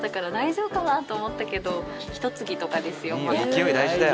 勢い大事だよ。